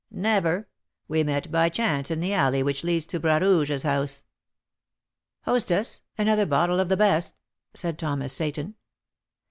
"Never; we met by chance in the alley which leads to Bras Rouge's house." "Hostess, another bottle of the best," said Thomas Seyton.